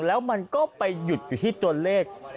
แล้วมันก็ไปหยุดอยู่ที่ตัวเลข